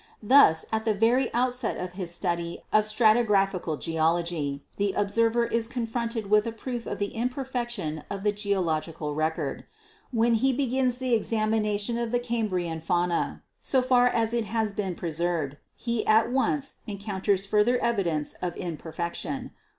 Thus, at the very outset of his study of stratigraphical geology, the observer is con fronted with a proof of the imperfection of the geological record. When he begins the examination of the Cambrian fauna, so far as it has been preserved, he at once encoun ters further evidence of imperfection.